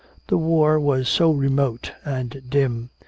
The war was so remote and dim.